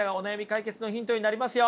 解決のヒントになりますよ。